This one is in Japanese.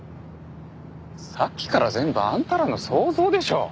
さっきから全部あんたらの想像でしょう？